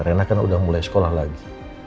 rena kan udah mulai sekolah lagi